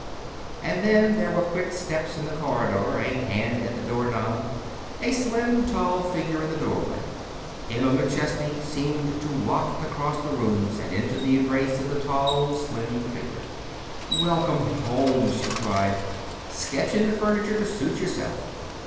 And then there were quick steps in the corridor, a hand at the door knob, a slim, tall figure in the doorway. Emma McChesney seemed to waft across the rooms and into the embrace of the slim, tall figure. "Welcome home!" she cried. "Sketch in the furniture to suit yourself."